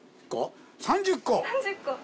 ３０個。